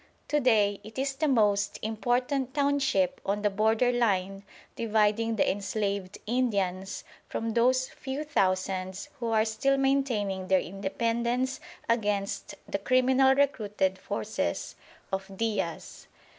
To day it is the most important township on the border line dividing the enslaved Indians from those few thousands who are still maintaining their independence against the criminal recruited forces of Diaz.